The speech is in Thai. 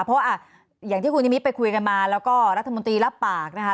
เพราะว่าอย่างที่คุณนิมิตไปคุยกันมาแล้วก็รัฐมนตรีรับปากนะคะ